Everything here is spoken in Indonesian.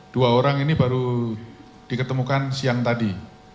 dua orang ini baru diketemukan siang tadi